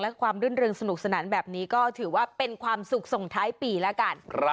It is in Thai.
และความรื่นเริงสนุกสนานแบบนี้ก็ถือว่าเป็นความสุขส่งท้ายปีแล้วกัน